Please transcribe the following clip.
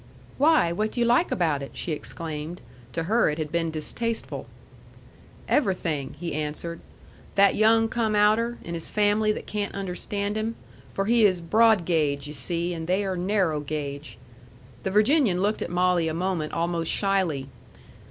"Why, what do you like about it?" she exclaimed. To her it had been distasteful. "Everything," he answered. "That young come outer, and his fam'ly that can't understand him for he is broad gauge, yu' see, and they are narro' gauge." The Virginian looked at Molly a moment almost shyly.